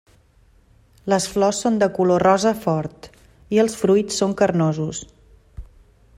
Les flors són de color rosa fort i els fruits són carnosos.